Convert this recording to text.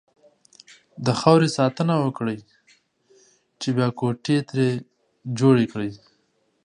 د خاورې ساتنه وکړئ! چې بيا کوټې ترې جوړې کړئ.